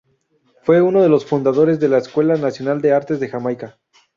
Fue uno de los fundadores de la Escuela Nacional de la Artes de Jamaica.